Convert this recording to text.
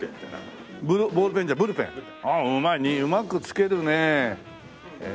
うまく付けるねえ。